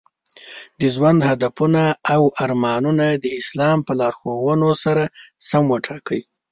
د ژوند هدفونه او ارمانونه د اسلام په لارښوونو سره سم وټاکئ.